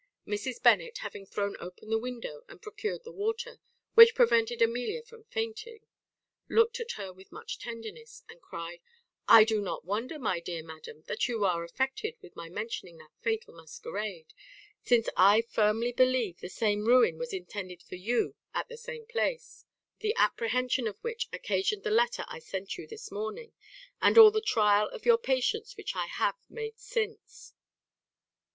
Mrs. Bennet, having thrown open the window, and procured the water, which prevented Amelia from fainting, looked at her with much tenderness, and cried, "I do not wonder, my dear madam, that you are affected with my mentioning that fatal masquerade; since I firmly believe the same ruin was intended for you at the same place; the apprehension of which occasioned the letter I sent you this morning, and all the trial of your patience which I have made since."